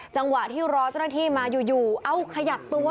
จังหวะที่รอเจ้าหน้าที่มาอยู่เอาขยับตัว